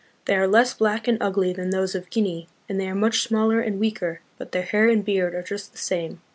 They are less black and ugly than those of Guinea, and they are much smaller and weaker, but their hair and beard are just the same.